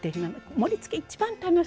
盛りつけ一番楽しいのよね。